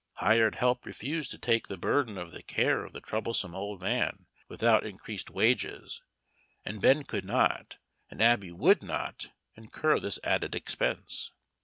Hired help refused to take the burden of the care of the troublesome old man without increased wages, and Ben could not and Abby would not incur this added expense.